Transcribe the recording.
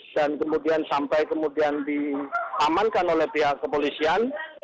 dan kemudian sampai kemudian diamankan oleh pihak kepolisian